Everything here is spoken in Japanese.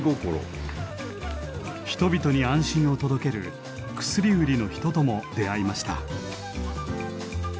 人々に安心を届ける薬売りの人とも出会いました。